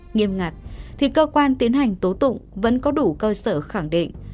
nghiêm ngặt thì cơ quan tiến hành tố tụng vẫn có đủ cơ sở khẳng định